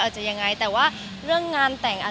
มีปิดฟงปิดไฟแล้วถือเค้กขึ้นมา